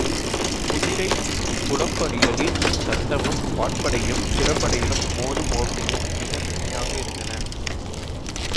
குதிரைக் குளம்படிகளின் சத்தமும், வாட்படையும், பிற படைகளும் மோதும் ஓசையும் மிக மென்மையாக இருந்தன.